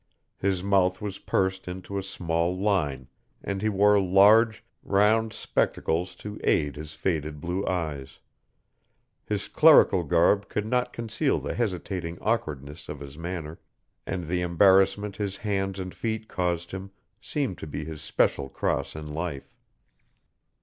His mouth was pursed into a small line, and he wore large, round spectacles to aid his faded blue eyes. His clerical garb could not conceal the hesitating awkwardness of his manner, and the embarrassment his hands and feet caused him seemed to be his special cross in life.